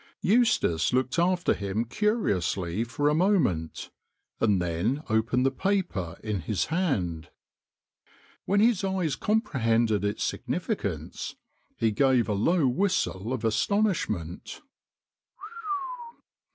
Eustace looked after him curiously for a moment, and then opened the paper in his hand. When his eyes comprehended its significance, he gave a low whistle of astonish ment.